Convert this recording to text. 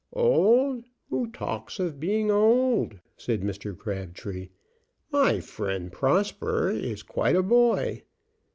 "Old! Who talks of being old?" said Mr. Crabtree. "My friend Prosper is quite a boy.